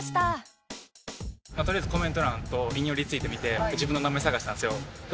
とりあえずコメント欄と引用リツイート見て自分の名前探したんですよ。